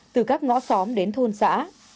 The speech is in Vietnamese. từ các ngõ xóm đến thôn xã